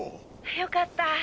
よかった！